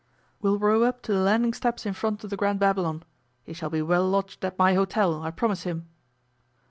'We'll row up to the landing steps in front of the Grand Babylon. He shall be well lodged at my hotel, I promise him.